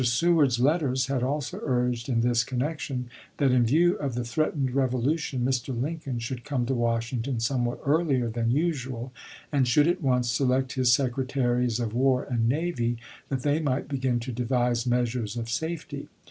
Seward's letters had also urged, in this connection, that in view of the threatened revolution Mr. Lin coln should come to Washington somewhat earlier than usual, and should at once select his Secre taries of War and Navy, that they might begin to devise measures of safety.